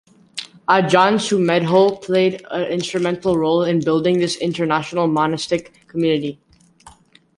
Ajahn Sumedho played an instrumental role in building this international monastic community.